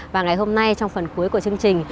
và ngày hôm nay trong phần cuối của chương trình